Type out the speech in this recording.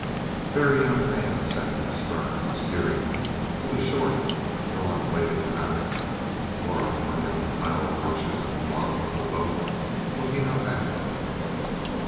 The Very Young Man sat in the stern, steering with a short, broad bladed paddle; Aura lay on a pile of rushes in the bottom of the boat, looking up at him.